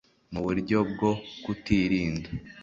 mu buryo bwo kutirinda